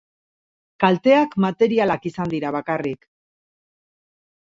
Kalteak materialak izan dira bakarrik.